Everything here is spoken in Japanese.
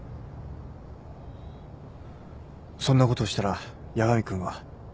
そんなことをしたら八神君は。